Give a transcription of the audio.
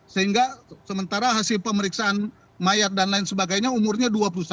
sehingga sementara hasil pemeriksaan mayat dan lain sebagainya umurnya dua puluh satu